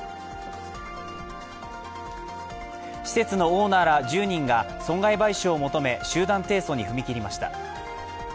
施設のオーナーら１０人が損害賠償を求め集団提訴に踏み切りました。